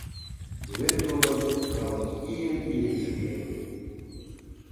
Илен-толын, калык ийын-ийын шукемын.